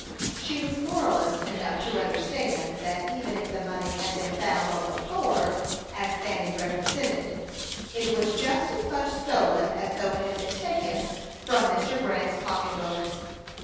She was moralist enough to understand that even if the money had been found on the floor, as Fanny represented, it was just as much stolen as though it had been taken from Mr. Grant's pocket book.